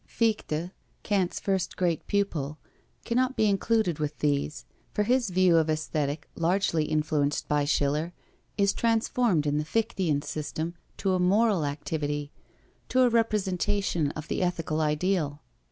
Fichte, Kant's first great pupil, cannot be included with these, for his view of Aesthetic, largely influenced by Schiller, is transformed in the Fichtian system to a moral activity, to a representation of the ethical ideal.